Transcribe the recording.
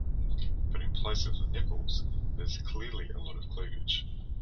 But in place of the nipples there's clearly a lot of cleavage.